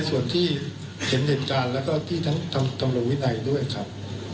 ส่วนที่เฉียนเหตุการณ์และที่ทางธรรมวินัยด้วยครับ